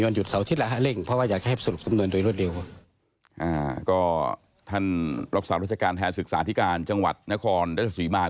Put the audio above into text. ท่านรักษาราชการแทนศึกษาธิการจังหวัดนครรัชศรีมาร์